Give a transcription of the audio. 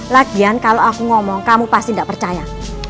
lagian kalau aku ngomong kamu pasti tidak percaya